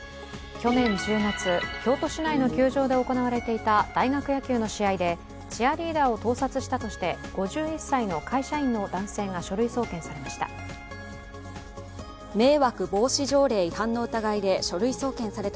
去年１０月、京都市内の球場で行われていた大学野球の試合でチアリーダーを盗撮したとして５１歳の会社員の男性が書類送検されました。